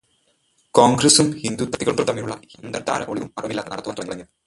കോണ്ഗ്രസ്സും ഹിന്ദുത്വശക്തികളും തമ്മിലുള്ള ഈ അന്തര്ധാര ഒളിവും മറവുമില്ലാതെ നടത്തുവാന് തുടങ്ങിയത്